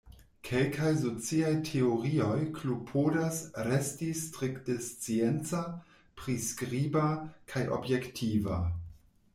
Kelkaj sociaj teorioj klopodas resti strikte scienca, priskriba, kaj objektiva.